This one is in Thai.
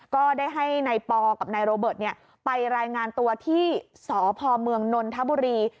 ก็ได้ให้นายปอกับนายโรเบิร์ตไปรายงานตัวที่สพเมืองนนทบุรี